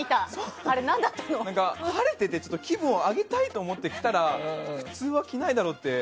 晴れてて気分を上げたいと思って着たら普通は着ないだろって。